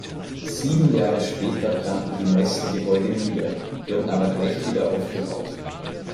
Sieben Jahre später brannten die meisten Gebäude nieder, wurden aber gleich wieder aufgebaut.